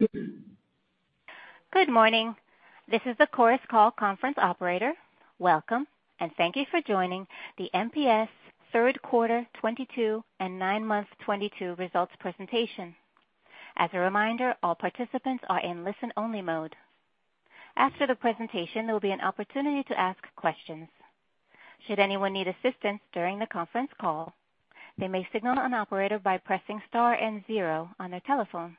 Good morning. This is the Chorus Call conference operator. Welcome, and thank you for joining the MPS third quarter 2022 and nine-month 2022 results presentation. As a reminder, all participants are in listen-only mode. After the presentation, there will be an opportunity to ask questions. Should anyone need assistance during the conference call, they may signal an operator by pressing star and zero on their telephone.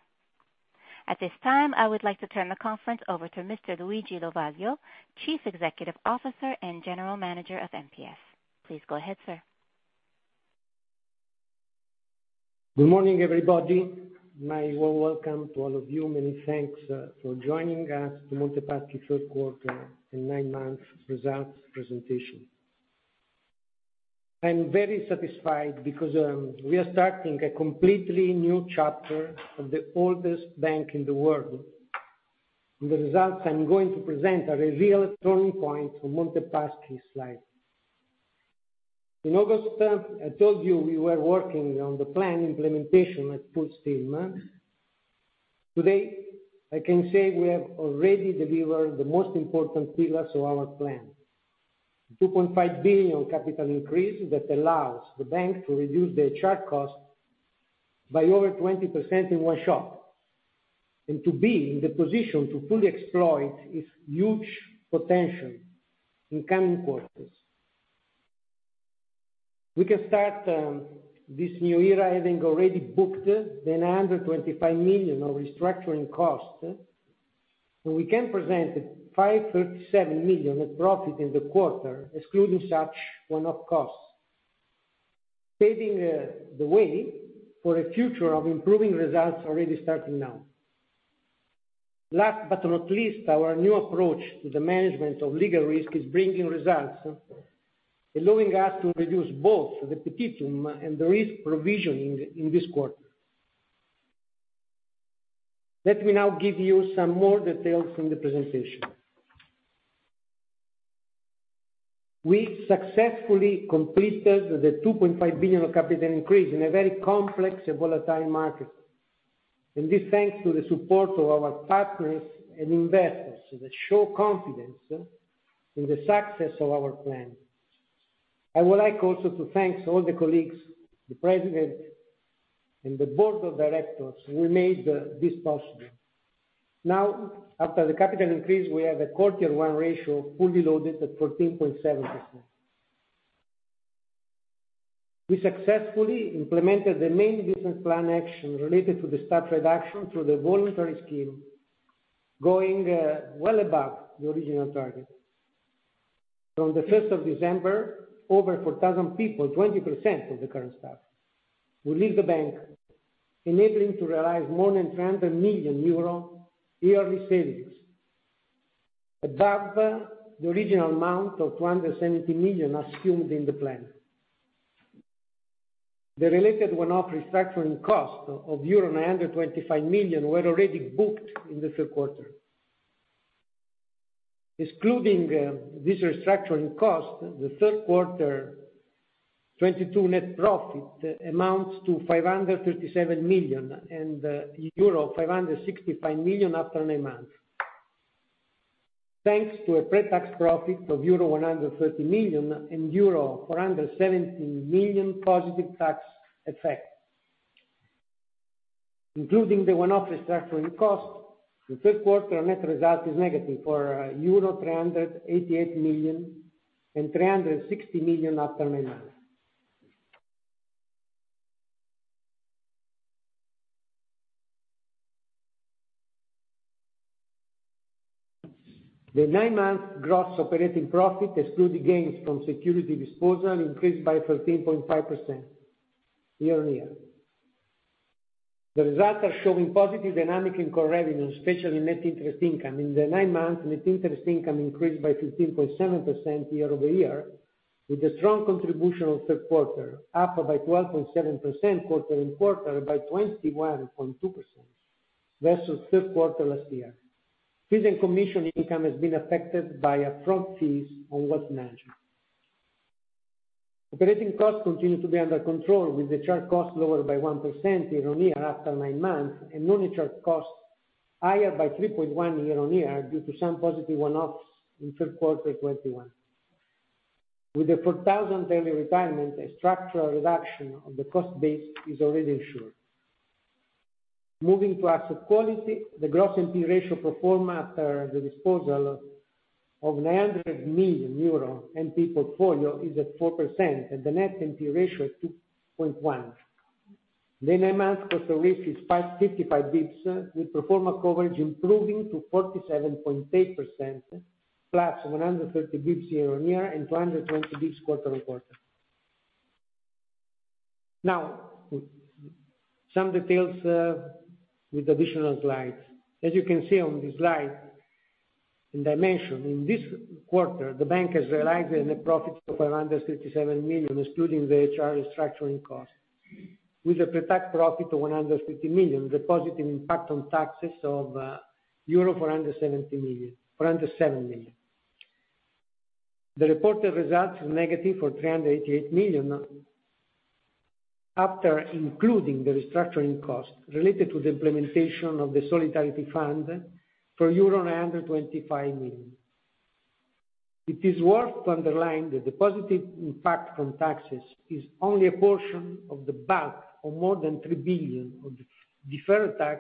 At this time, I would like to turn the conference over to Mr. Luigi Lovaglio, Chief Executive Officer and General Manager of MPS. Please go ahead, sir. Good morning, everybody. My warm welcome to all of you. Many thanks for joining us to Monte Paschi third quarter and nine-month results presentation. I'm very satisfied because we are starting a completely new chapter of the oldest bank in the world. The results I'm going to present are a real turning point for Monte Paschi's life. In August, I told you we were working on the plan implementation at full steam. Today, I can say we have already delivered the most important pillars of our plan. 2.5 billion capital increase that allows the bank to reduce its charge cost by over 20% in one shot, and to be in the position to fully exploit its huge potential in the coming quarters. We can start this new era having already booked the 925 million of restructuring costs. We can present 537 million of profit in the quarter, excluding such one-off costs, paving the way for a future of improving results already starting now. Last but not least, our new approach to the management of legal risk is bringing results, allowing us to reduce both the provision and the risk provisioning in this quarter. Let me now give you some more details from the presentation. We successfully completed the 2.5 billion capital increase in a very complex and volatile market. This is thanks to the support of our partners and investors, who show confidence in the success of our plan. I would also like to thank all the colleagues, the president, and the board of directors who made this possible. Now, after the capital increase, we have a Core Tier 1 ratio fully loaded at 13.7%. We successfully implemented the main business plan action related to the staff reduction through the voluntary scheme, going well above the original target. From the 5th of December, over 4,000 people, 20% of the current staff, will leave the bank, enabling to realize more than 300 million euro yearly savings, above the original amount of 270 million assumed in the plan. The related one-off restructuring cost of euro 925 million was already booked in the third quarter. Excluding this restructuring cost, the third quarter 2022 net profit amounts to 537 million, and euro 565 million after nine months. Thanks to a pre-tax profit of euro 130 million and euro 417 million positive tax effect. Including the one-off restructuring cost, the third quarter net result is negative euro 388 million and 360 million after nine months. The nine-month gross operating profit excluding gains from security disposal increased by 13.5% year-on-year. The results are showing positive dynamics in core revenue, especially net interest income. In the nine months, net interest income increased by 15.7% year-over-year, with the strong contribution of the third quarter, up by 12.7% quarter-on-quarter, by 21.2% versus the third quarter last year. Fees and commission income have been affected by upfront fees on wealth management. Operating costs continue to be under control, with the charge cost lower by 1% year-on-year after nine months, and non-charge costs higher by 3.1 year-on-year due to some positive one-offs in the third quarter of 2021. With the 4,000 early retirements, a structural reduction of the cost base is already assured. Moving to asset quality, the gross NP ratio performing after the disposal of the 900 million euro NP portfolio is at 4%, and the net NP ratio is 2.1. The nine-month cost of risk is 555 basis points, with NP coverage improving to 47.8%, plus 130 basis points year-on-year and 220 basis points quarter-on-quarter. Now, some details with additional slides. As you can see on this slide, in dimension, in this quarter, the bank has realized a net profit of 557 million, excluding the HR restructuring cost, with a pre-tax profit of 150 million, and the positive impact on taxes of 407 million euro. The reported results are negative for 388 million, after including the restructuring cost related to the implementation of the solidarity fund for euro 125 million. It is worth underlining that the positive impact from taxes is only a portion of the bank ,which has more than 3 billion of deferred tax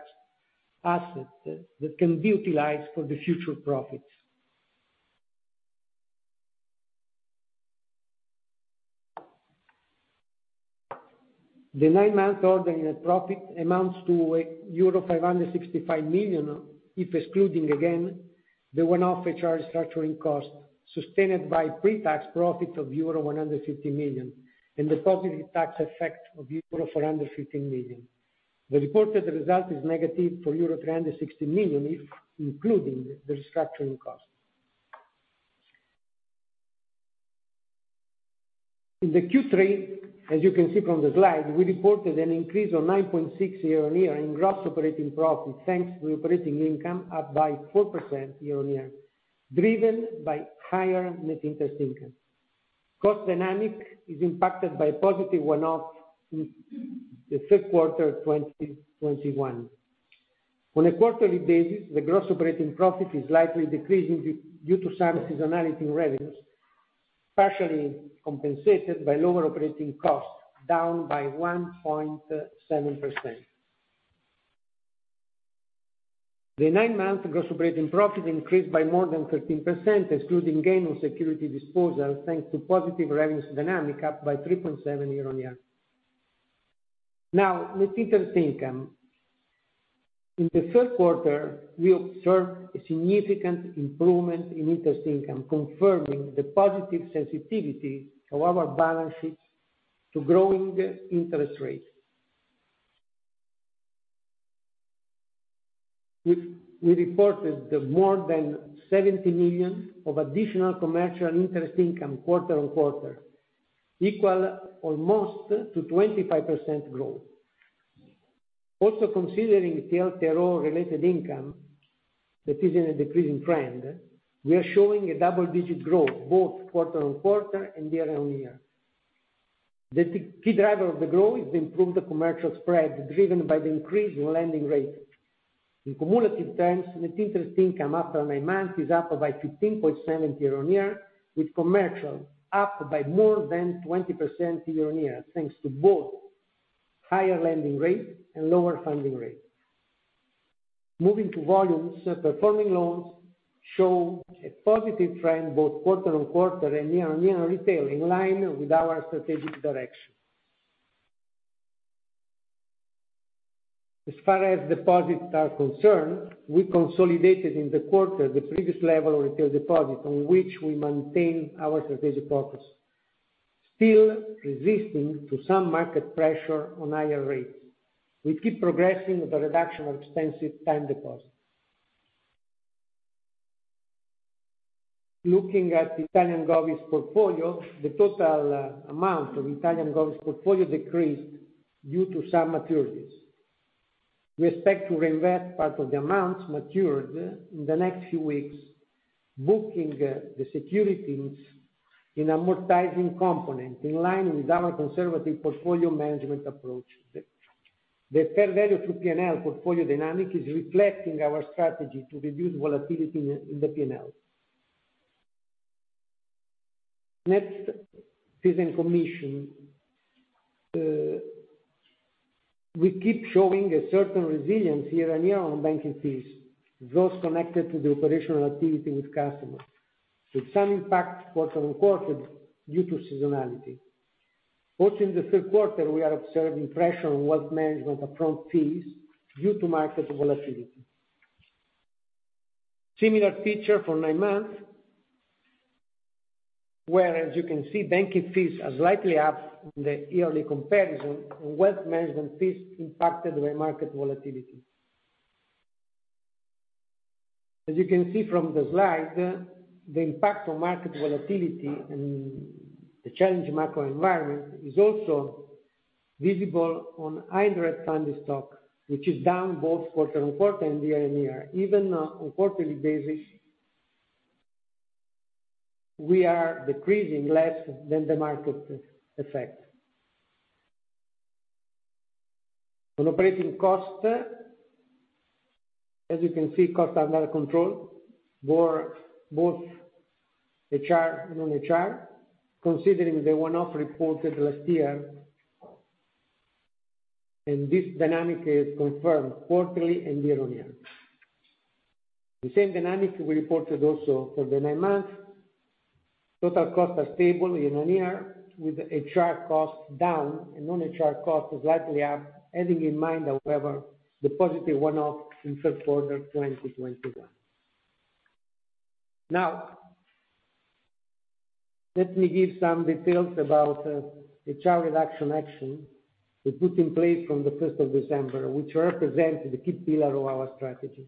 assets that can be utilized for future profits. The nine-month underlying net profit amounts to euro 565 million, if excluding again the one-off HR restructuring costs sustained by pre-tax profits of euro 150 million, and the positive tax effect of euro 415 million. The reported result is negative for euro 360 million if including the restructuring costs. In Q3, as you can see from the slide, we reported an increase of 9.6% year-on-year in gross operating profit, thanks to operating income up by 4% year-on-year, driven by higher net interest income. Cost dynamic is impacted by a positive one-off in the third quarter of 2021. On a quarterly basis, the gross operating profit is likely decreasing due to some seasonality in revenues, partially compensated by lower operating costs, down by 1.7%. The nine-month gross operating profit increased by more than 13%, excluding gain on security disposal, thanks to positive revenue dynamics up by 3.7% year-on-year. Now, net interest income. In the third quarter, we observed a significant improvement in interest income, confirming the positive sensitivity of our balances to growing interest rates. We reported more than 70 million of additional commercial interest income quarter-on-quarter, equal to almost to 25% growth. Also, considering TLTRO-related income, which is in a decreasing trend, we are showing a double-digit growth both quarter-on-quarter and year-on-year. The key driver of the growth is the improved commercial spread, driven by the increase in the lending rate. In cumulative terms, net interest income after 9 months is up by 15.7 year-on-year, with commercial up by more than 20% year-on-year, thanks to both a higher lending rate and lower funding rate. Moving to volumes, performing loans show a positive trend both quarter-on-quarter and year-on-year retail, in line with our strategic direction. As far as deposits are concerned, we consolidated in the quarter the previous level of retail deposits on which we maintain our strategic focus, still resisting some market pressure for higher rates. We keep progressing in the reduction of expensive time deposits. Looking at Italian Govies portfolio, the total amount of Italian Govies portfolio decreased due to some maturities. We expect to reinvest part of the amounts matured in the next few weeks, booking the securities in the amortizing component, in line with our conservative portfolio management approach. The fair value to P&L portfolio dynamic reflects our strategy to reduce volatility in the P&L. Next, fees and commissions, we keep showing a certain resilience year-on-year on banking fees, those connected to the operational activity with customers, with some impact quarter-on-quarter due to seasonality. Also in the third quarter, we are observing pressure on Wealth Management upfront fees due to market volatility. Similar feature for nine months, where, as you can see, banking fees are slightly up the yearly comparison, and Wealth Management fees impacted by market volatility. As you can see from the slide, the impact of market volatility and the challenging macro environment is also visible on indirect funding stock, which is down both quarter-on-quarter and year-on-year. Even on a quarterly basis, we are decreasing less than the market effect. On operating costs, as you can see, costs are under control, for both HR and non-HR, considering the one-off reported last year. This dynamic is confirmed quarterly and year-on-year. The same dynamic we reported also for the nine months. Total costs are stable year-on-year, with HR costs down and non-HR costs slightly up, having in mind, however, the positive one-off in the third quarter of 2021. Now, let me give some details about the charge reduction action we put in place on the fifth of December, which represents the key pillar of our strategy.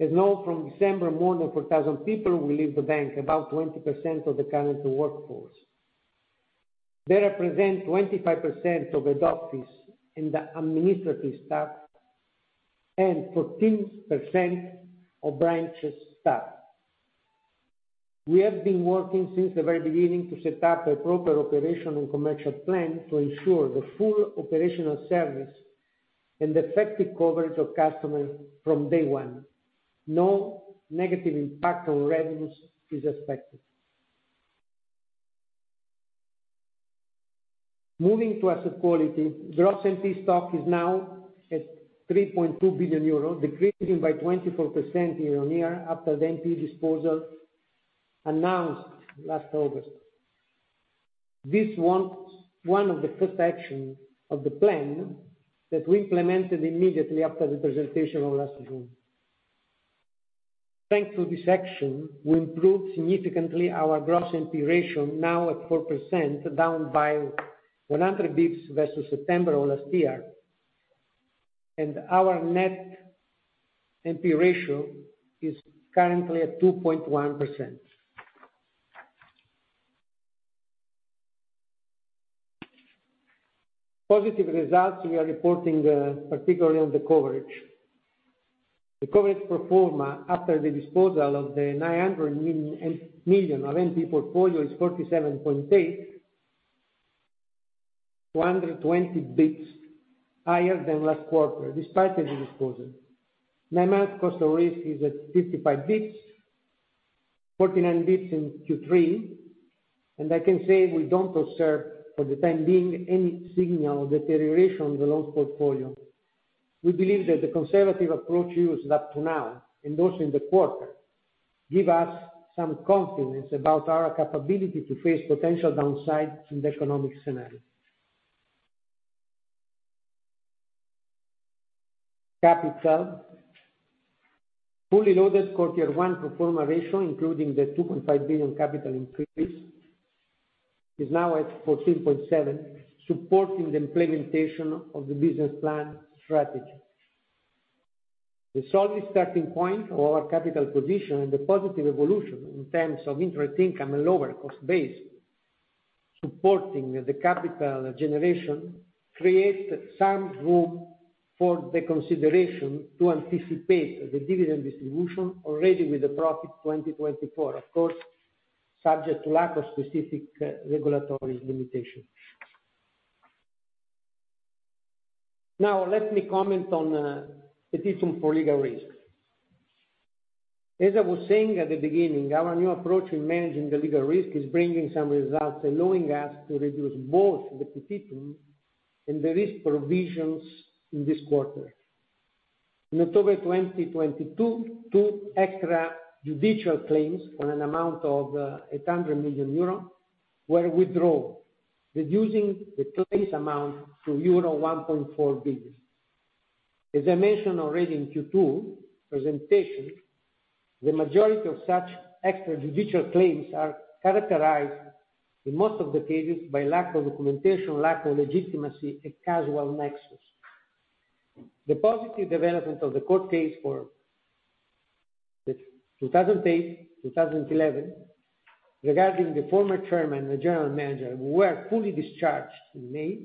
As known from December, more than 4,000 people will leave the bank, about 20% of the current workforce. They represent 25% of the back office and the administrative staff, and 14% of branches staff. We have been working since the very beginning to set up a proper operational and commercial plan to ensure the full operational service and effective coverage of customers from day one. No negative impact on revenues is expected. Moving to asset quality, gross NP stock is now at 3.2 billion euros, decreasing by 24% year-on-year after the NP disposal announced last August. This is one of the first actions of the plan that we implemented immediately after the presentation last June. Thanks to this action, we improved significantly our gross NP ratio, now at 4%, down by 100 basis points versus September of last year, and our net NP ratio is currently at 2.1%. Positive results we are reporting, particularly on the coverage. The coverage pro forma after the disposal of the 900 million of NP portfolio is 47.8%, 120 basis points higher than last quarter, despite the disposal. Nine-month cost of risk is at 55 basis points, 49 basis points in Q3, and I can say we don't observe for the time being any signal of deterioration of the loan portfolio. We believe that the conservative approach used up to now, and also in the quarter, gives us some confidence about our capability to face potential downsides in the economic scenario, and capital. Fully loaded quarter one pro forma ratio, including the 2.5 billion capital increase, is now at 14.7, supporting the implementation of the business plan strategy. The solid starting point of our capital position and the positive evolution in terms of interest income and lower cost base supporting the capital generation create some room for the consideration to anticipate the dividend distribution already with the profit 2024, of course, subject to the lack of specific regulatory limitation. Now, let me comment on the provision for legal risk. As I was saying at the beginning, our new approach to managing the legal risk is bringing some results, allowing us to reduce both the provision and the risk provisions in this quarter. In October 2022, two extrajudicial claims on an amount of 800 million euro were withdrawn, reducing the claims amount to euro 1.4 billion. As I mentioned already in the Q2 presentation, the majority of such extrajudicial claims are characterized in most of the cases by a lack of documentation, lack of legitimacy, and causal nexus. The positive development of the court case for 2008-2011, regarding the former chairman and general manager, was fully discharged in May,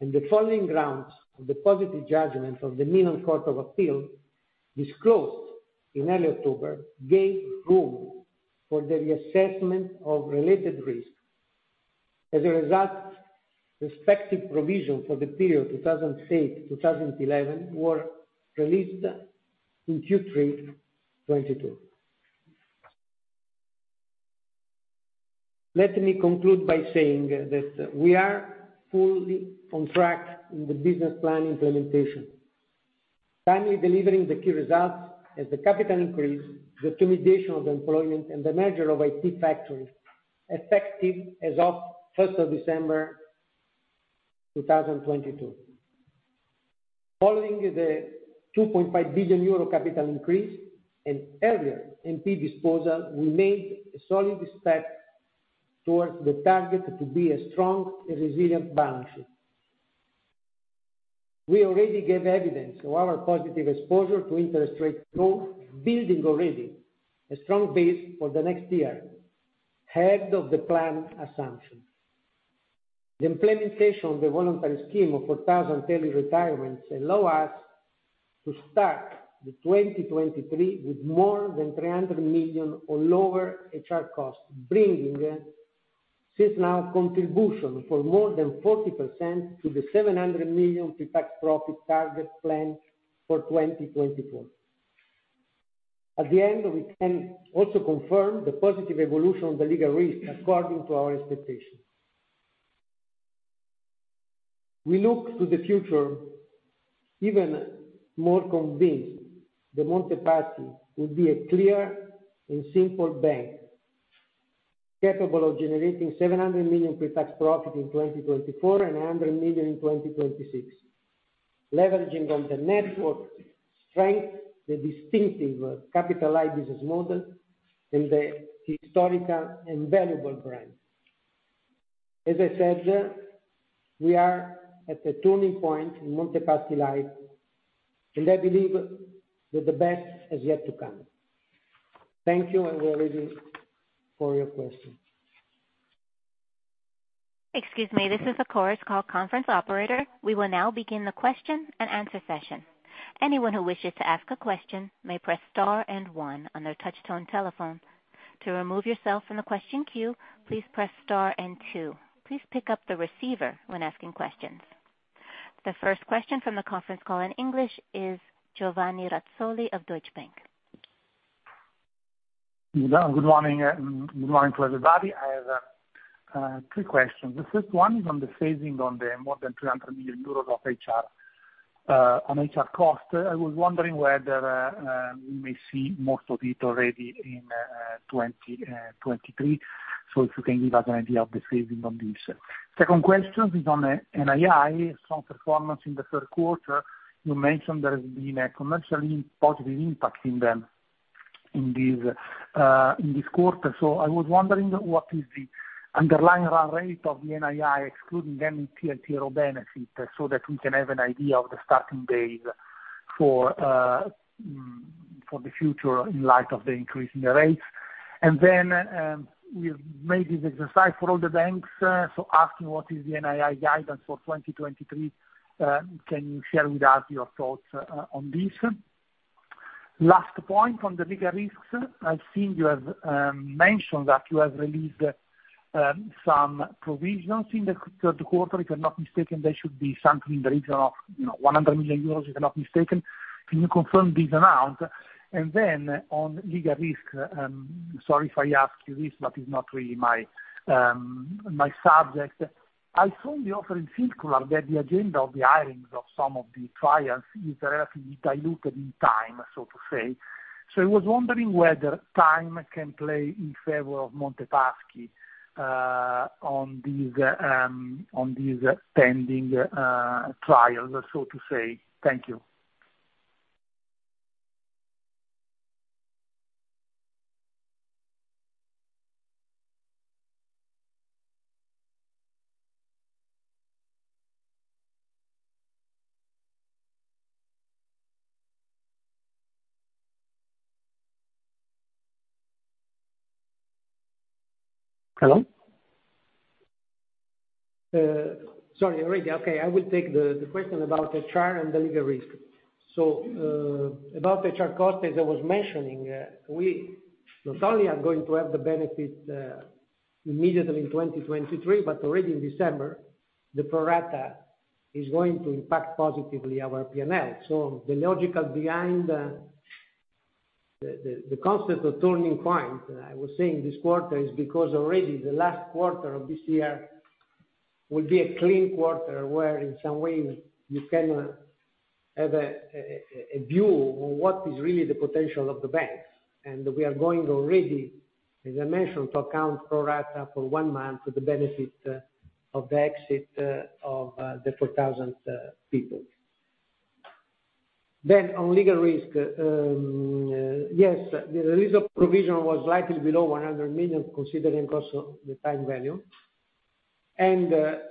and the following grounds of the positive judgment of the Milan Court of Appeal, disclosed in early October, gave room for the reassessment of related risk. As a result, respective provisions for the period 2008-2011 were released in Q3 2022. Let me conclude by saying that we are fully on track in the business plan implementation, timely delivering the key results as the capital increase, the optimization of the employment, and the merger of IT factory, effective as of first of December 2022. Following the 2.5 billion euro capital increase and earlier NP disposal, we made a solid step towards the target of a strong and resilient balance sheet. We already gave evidence of our positive exposure to interest rate growth, building already a strong base for the next year, ahead of the plan assumption. The implementation of the voluntary scheme of 4,000 early retirements allows us to start 2023 with more than 300 million on lower HR costs, bringing since now contribution for more than 40% to the 700 million pre-tax profit target plan for 2024. At the end, we can also confirm the positive evolution of the legal risk according to our expectations. We look to the future even more convinced that Monte Paschi will be a clear and simple bank, capable of generating 700 million pre-tax profit in 2024 and 100 million in 2026, leveraging on the network strength, the distinctive capitalized business model, and the historical and valuable brand. As I said, we are at a turning point in Monte Paschi life, and I believe that the best is yet to come. Thank you, and we are ready for your questions. Excuse me, this is the conference call operator. We will now begin the question and answer session. Anyone who wishes to ask a question may press star and one on their touchtone telephone. To remove yourself from the question queue, please press star and two. Please pick up the receiver when asking questions. The first question from the conference call in English is Giovanni Razzoli of Deutsche Bank. Good morning. Good morning to everybody. I have three questions. The first one is on the phasing of more than 300 million euros of HR costs. I was wondering whether we may see most of it already in 2023. If you can give us an idea of the savings on this. The second question is on NII, strong performance in the third quarter. You mentioned there has been a commercially positive impact in this quarter. I was wondering what the underlying run rate of the NII is, excluding any TLTRO benefit, so that we can have an idea of the starting base for the future in light of the increase in the rates. We made this exercise for all the banks, so asking what the NII guidance is for 2023, can you share with us your thoughts on this? Last point on the legal risks. I've seen that you have mentioned that you have released some provisions in the third quarter. If I'm not mistaken, there should be something in the region of, you know, 100 million euros, if I'm not mistaken. Can you confirm this amount? On legal risk, sorry if I ask you this, but it's not really my subject. I saw in the offering circular that the agenda of the hearings of some of the trials is relatively diluted in time, so to say. I was wondering whether time can play in favor of Monte Paschi, on these pending trials, so to say. Thank you. Hello? Sorry, already. Okay, I will take the question about HR and the legal risk. About HR cost, as I was mentioning, we not only are going to have the benefit immediately in 2023, but already in December, the pro rata is going to impact positively our P&L. The logic behind the concept of turning point, I was saying this quarter, is because already the last quarter of this year will be a clean quarter, where in some ways you can have a view on what is really the potential of the bank. We are going already, as I mentioned, to account pro rata for one month for the benefit of the exit of the 4,000 people. On legal risk, yes, the release of provision was slightly below 100 million, considering also the time value. As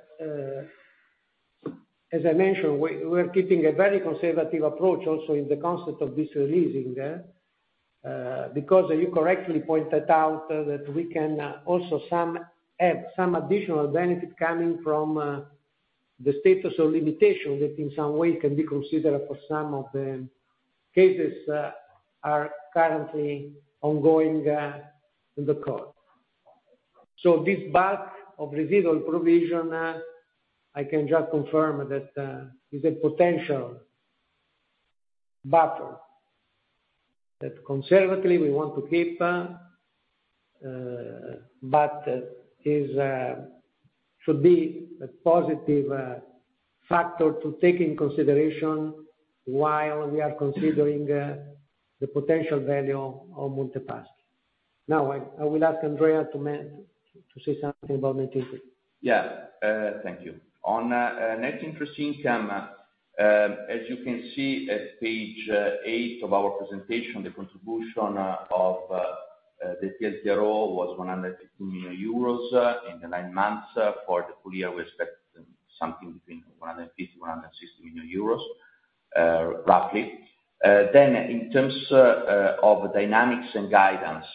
I mentioned, we are keeping a very conservative approach also in the concept of this release. Because you correctly pointed out that we can also have some additional benefit coming from the status of limitation that, in some way, can be considered for some of the cases that are currently ongoing in the court. This bulk of residual provision, I can just confirm that it is a potential buffer that, conservatively, we want to keep, but it should be a positive factor to take into consideration while we are considering the potential value of Monte Paschi. I will ask Andrea to say something about net interest. Yeah. Thank you. On net interest income, as you can see on page 8 of our presentation, the contribution of the TLTRO was 150 million euros in the nine months. For the full-year, we expect something between 150 million and 160 million euros, roughly. In terms of dynamics and guidance,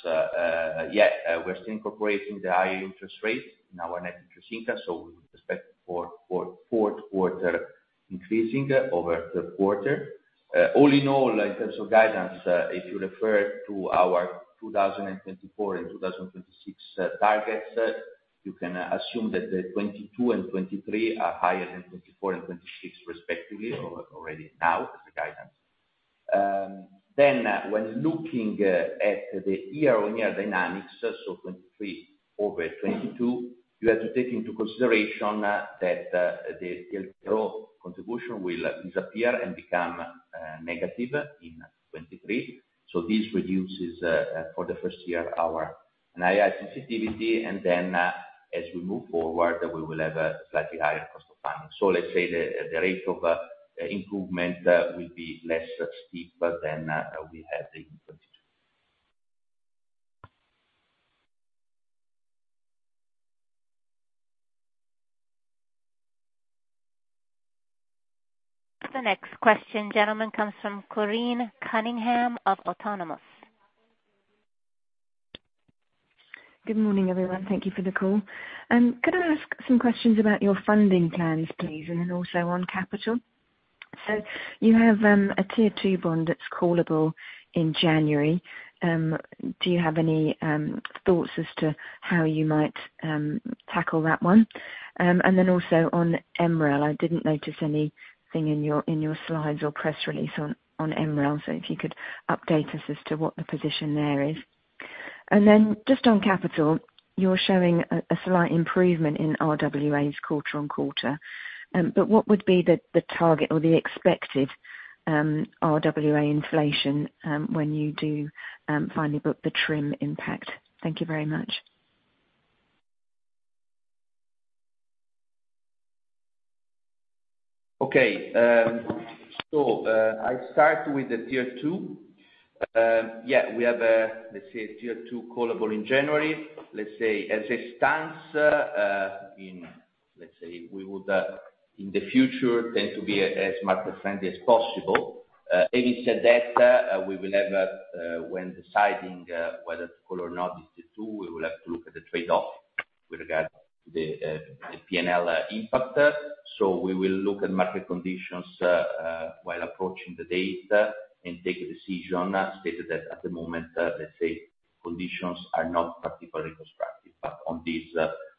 yeah, we're still incorporating the higher interest rate in our net interest income. We would expect the fourth quarter to increase over the third quarter. All in all, in terms of guidance, if you refer to our 2024 and 2026 targets, you can assume that the 2022 and 2023 are higher than 2024 and 2026, respectively, or already now as guidance. When looking at the year-on-year dynamics, so 2023 over 2022, you have to take into consideration that the TLTRO contribution will disappear and become negative in 2023. This reduces for the first year our NII sensitivity. As we move forward, we will have a slightly higher cost of funding. Let's say the rate of improvement will be less steep than we had in 2022. The next question, gentlemen, comes from Corinne Cunningham of Autonomous. Good morning, everyone. Thank you for the call. Could I ask some questions about your funding plans, please, and then also on capital? You have a Tier 2 bond that's callable in January. Do you have any thoughts as to how you might tackle that one? And then also on MREL, I didn't notice anything in your slides or press release on MREL. If you could update us as to what the position there is. Just on capital, you're showing a slight improvement in RWAs quarter-over-quarter. But what would be the target or the expected RWA inflation when you do finally book the TRIM impact? Thank you very much. I'll start with the Tier 2. We have, let's say a Tier 2 callable in January. Let's say as a stance, in the future we would tend to be as market friendly as possible. Having said that, we will have, when deciding whether to call or not the Tier 2, we will have to look at the trade-off with regard to the P&L impact. We will look at market conditions while approaching the date and take a decision. As stated that at the moment, let's say conditions are not particularly constructive. On this,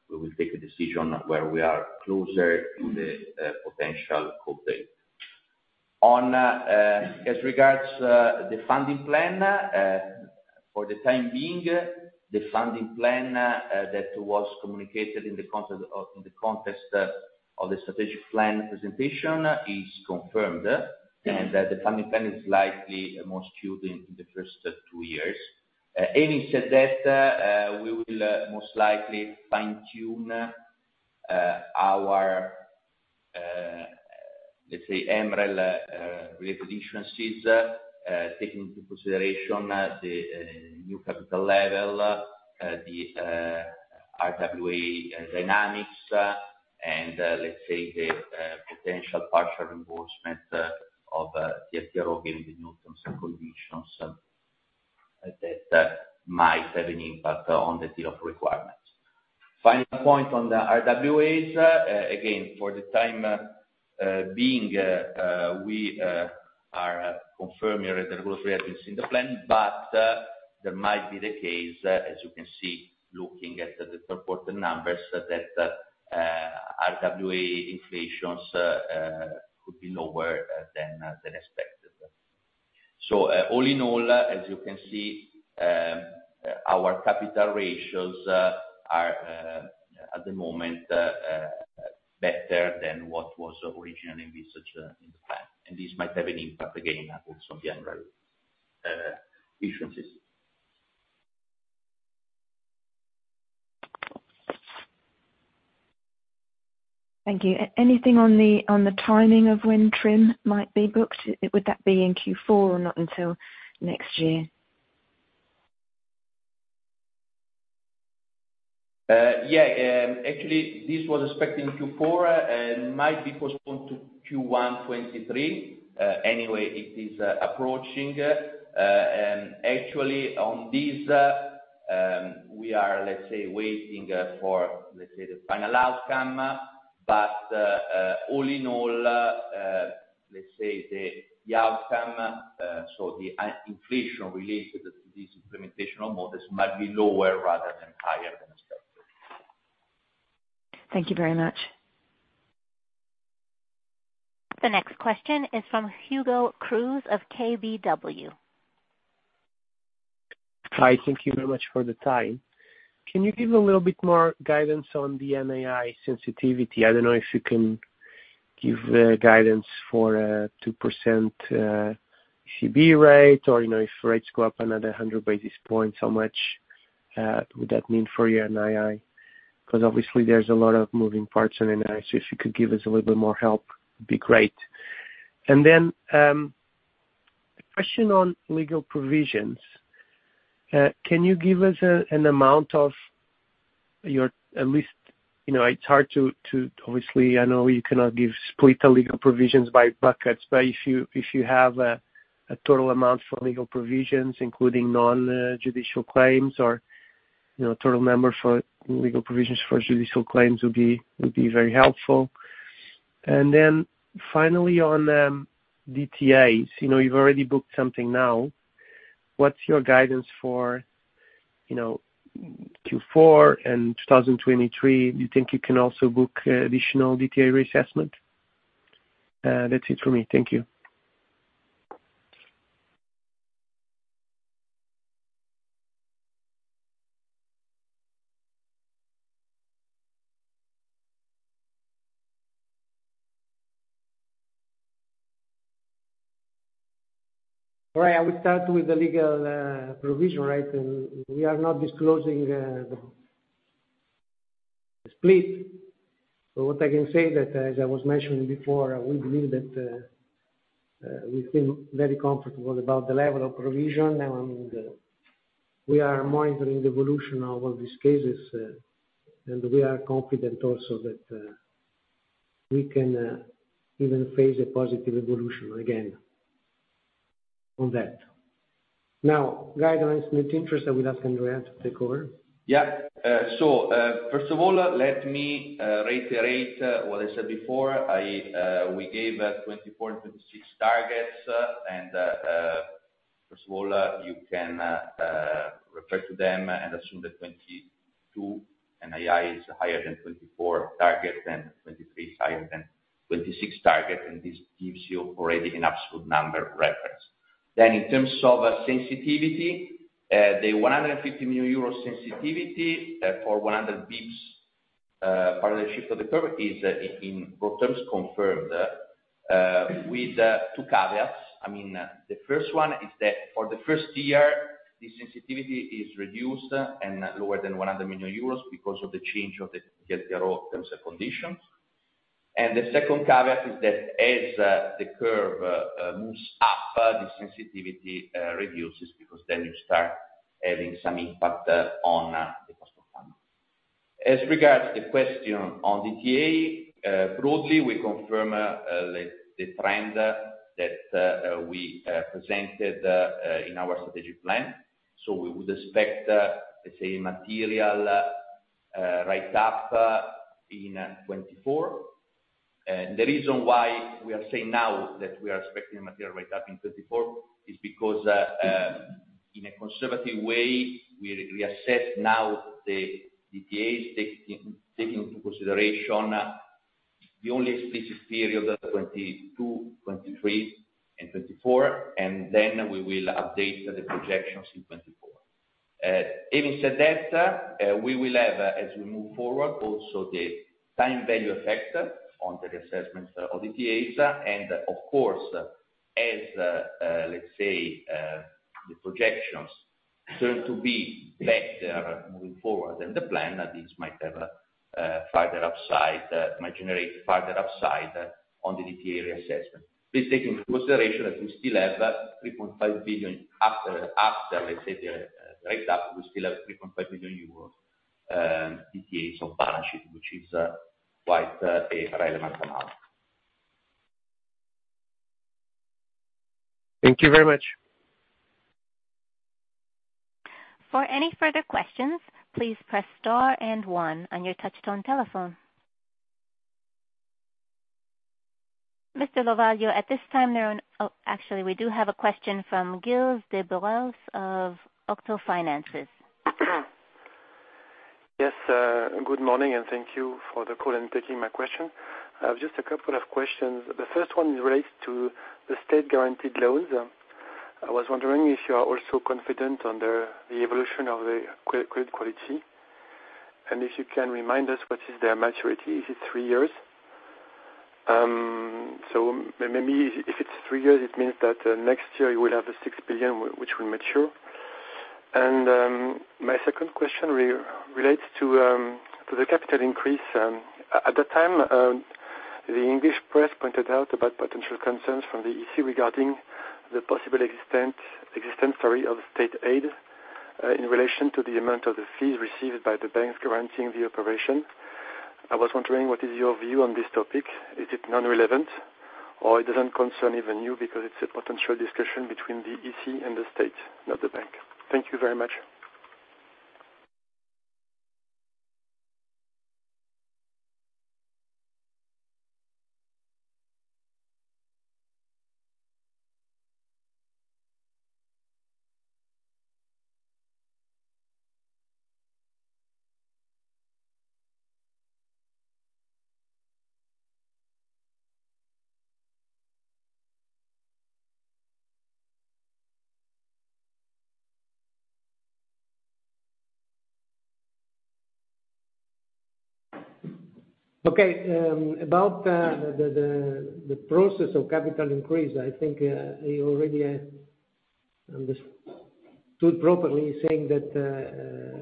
we will take a decision where we are closer to the potential call date. As regards the funding plan, for the time being, the funding plan that was communicated in the context of the strategic plan presentation is confirmed, and the funding plan is likely more skewed in the first two years. Having said that, we will most likely fine-tune our, let's say, MREL-related issuances, taking into consideration the new capital level, the RWA dynamics, and, let's say, the potential partial reimbursement of the TLTRO given the new terms and conditions that might have an impact on the tier requirements. Final point on the RWAs. Again, for the time being, we are confirming the regulatory adjustments in the plan, but there might be the case, as you can see, looking at the third quarter numbers that RWA inflation could be lower than expected. All in all, as you can see, our capital ratios are at the moment better than what was originally researched in the plan. This might have an impact again, also on the MREL issuances. Thank you. Anything on the timing of when TRIM might be booked? Would that be in Q4 or not until next year? Actually, this was expected Q4 and might be postponed to Q1 2023. Anyway, it is approaching. Actually on this, we are, let's say, waiting for, let's say, the final outcome. All in all, let's say the outcome, so the implications related to this implementation models might be lower rather than higher than expected. Thank you very much. The next question is from Hugo Cruz of KBW. Hi. Thank you very much for the time. Can you give a little bit more guidance on the NII sensitivity? I don't know if you can give guidance for 2% ECB rate or, you know, if rates go up another 100 basis points, how much would that mean for your NII? Because obviously there's a lot of moving parts on NII. If you could give us a little bit more help, be great. A question on legal provisions. Can you give us an amount, at least, you know. It's hard to. Obviously, I know you cannot give split legal provisions by buckets, but if you have a total amount for legal provisions, including non-judicial claims or, you know, total number for legal provisions for judicial claims would be very helpful. Then finally on DTAs. You know, you've already booked something now. What's your guidance for, you know, Q4 and 2023? Do you think you can also book additional DTA reassessment? That's it for me. Thank you. All right. I will start with the legal provision, right? We are not disclosing the split. What I can say that, as I was mentioning before, we believe that we feel very comfortable about the level of provision and the We are monitoring the evolution of all these cases, and we are confident also that we can even face a positive evolution again on that. Now guidance net interest, I will ask Andrea to take over. First of all, let me reiterate what I said before. We gave 24.6 targets, and first of all, you can refer to them and assume that 22 NII is higher than 24 target and 23 is higher than 26 target, and this gives you already an absolute number reference. In terms of sensitivity, the 150 million euros sensitivity for a 100 basis points parallel shift of the curve is, in raw terms, confirmed, with two caveats. I mean, the first one is that for the first year, the sensitivity is reduced and lower than 100 million euros because of the change of the TLTRO terms and conditions. The second caveat is that as the curve moves up, the sensitivity reduces because then you start adding some impact on the cost of funding. As regards the question on DTA, broadly, we confirm the trend that we presented in our strategic plan. We would expect, let's say material write-up in 2024. The reason why we are saying now that we are expecting a material write-up in 2024 is that, in a conservative way, we assess now the DTAs, taking into consideration the only specific period of 2022, 2023, and 2024, and then we will update the projections in 2024. Having said that, we will have, as we move forward, also the time value effect on the assessments of DTAs. Of course, let's say the projections turn out to be better moving forward than the plan, and that this might generate further upside on the DTA reassessment. Please take into consideration that we still have that EUR 3.5 billion after, let's say, the write-up. We still have 3.5 billion DTAs on the balance sheet, which is quite a relevant amount. Thank you very much. For any further questions, please press star and one on your touchtone telephone. Mr. Lovaglio. Oh, actually, we do have a question from Arnaud de Bourrousse of Octo Finances. Yes, good morning, and thank you for the call and for taking my question. I have just a couple of questions. The first one relates to the state-guaranteed loans. I was wondering if you are also confident in the evolution of the credit quality, and if you can remind us what their maturity is. Is it three years? Maybe if it's three years, it means that next year you will have a 6 billion, which will mature. My second question relates to the capital increase. At the time, the English press pointed out about potential concerns from the EC regarding the possible existence of state aid in relation to the amount of the fees received by the banks guaranteeing the operation. I was wondering, what is your view on this topic? Is it non-relevant, or doesn't it concern even you because it's a potential discussion between the EC and the state, not the bank? Thank you very much. Okay. About the process of capital increase, I think he already understood properly, saying that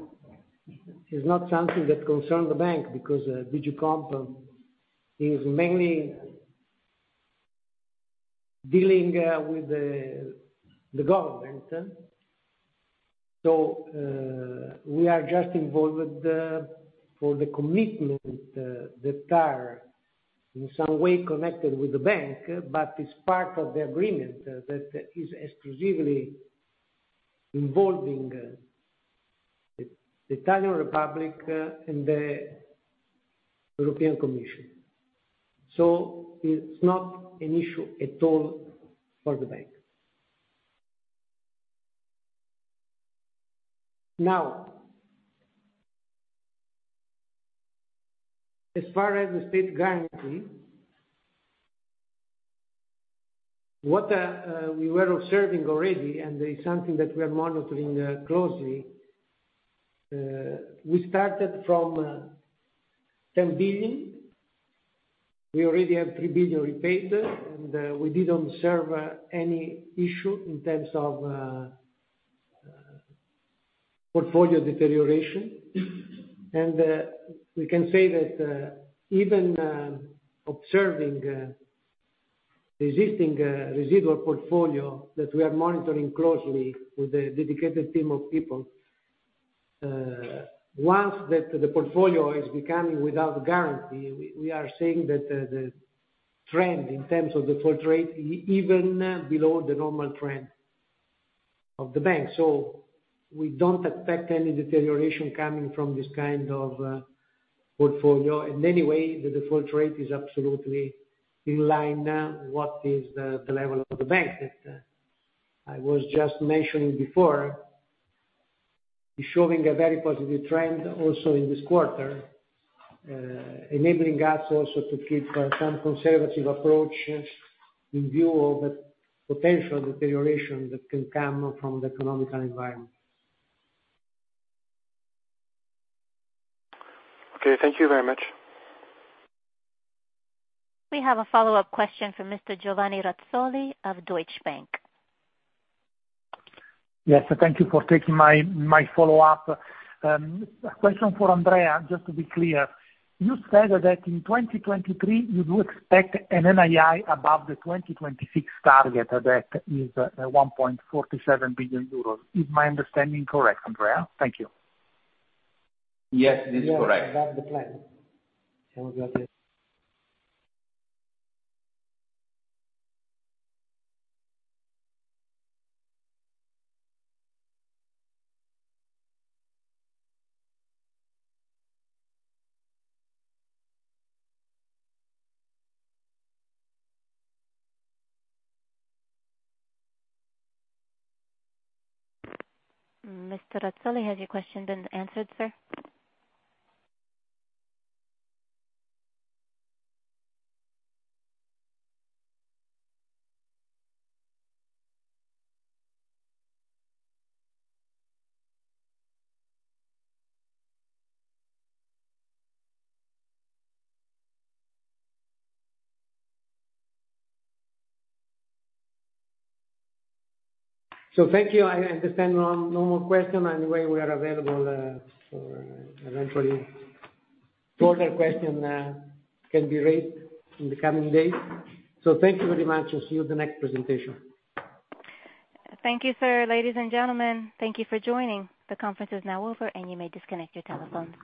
it's not something that concerns the bank because DG COMP is mainly dealing with the government. We are just involved with the commitments that are in some way connected with the bank, but it's part of the agreement that is exclusively involving the Italian Republic and the European Commission. It's not an issue at all for the bank. Now, as far as the state guarantee, what we were observing already, and it's something that we are monitoring closely, we started from 10 billion. We already have 3 billion repaid, and we didn't observe any issue in terms of portfolio deterioration. We can say that even observing the existing residual portfolio that we are monitoring closely with a dedicated team of people, once that the portfolio is becoming without guarantee, we are seeing that the trend in terms of the default even below the normal trend of the bank. We don't expect any deterioration coming from this kind of portfolio. In any way, the default rate is absolutely in line with the level of the bank that I was just mentioning before. It's showing a very positive trend also in this quarter, enabling us also to keep some conservative approaches in view of the potential deterioration that can come from the economic environment. Okay, thank you very much. We have a follow-up question from Mr. Giovanni Razzoli of Deutsche Bank. Yes, thank you for taking my follow-up. A question for Andrea, just to be clear, you said that in 2023 you do expect an NII above the 2026 target, that is, 1.47 billion euros. Is my understanding correct, Andrea? Thank you. Yes, this is correct. Yeah, above the plan. Mr. Razzoli, has your question been answered, sir? Thank you. I understand no more questions. Anyway, we are available for any further question can be raised in the coming days. Thank you very much, and see you at the next presentation. Thank you, sir. Ladies and gentlemen, thank you for joining. The conference is now over and you may disconnect your telephone.